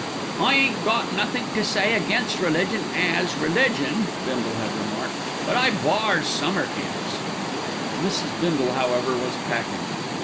"I ain't got nothink to say against religion as religion," Bindle had remarked; "but I bars summer camps." Mrs. Bindle, however, was packing.